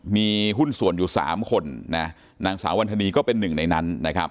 มีหุ้นส่วนอยู่๓คนนางสาวรรษณีก็เป็น๑ในนั้น